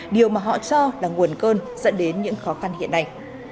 điều mà họ cho là nguồn cơn dẫn đến những khó khăn hiện nay